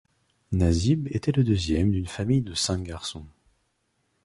Nasib était le deuxième d'une famille de cinq garçons.